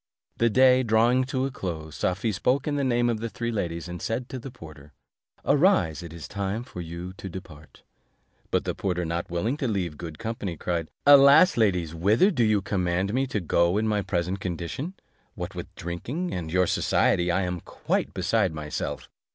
The day drawing to a close, Safie spoke in the name of the three ladies, and said to the porter, "Arise, it is time for you to depart." But the porter, not willing to leave good company, cried, "Alas! ladies, whither do you command me to go in my present condition? What with drinking and your society, I am quite beside myself.